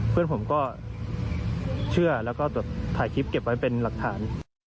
เพื่อนผมก็เชื่อแล้วก็ถ่ายคลิปเก็บไว้เป็นหลักฐาน